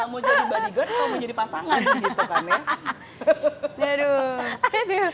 mau jadi body good mau jadi pasangan gitu kan ya